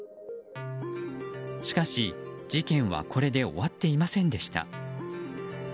しかし、事件はこれで終わっていませんでした。